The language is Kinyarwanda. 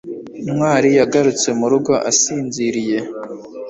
ntwali yagarutse mu rugo, asinziriye